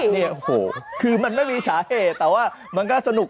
เนี่ยโอ้โหคือมันไม่มีสาเหตุแต่ว่ามันก็สนุก